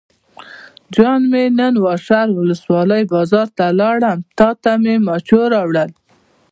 جان مې نن واشر ولسوالۍ بازار ته لاړم او تاته مې مچو راوړل.